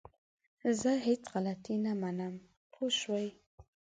زه هيڅ غلطي نه منم! پوه شوئ!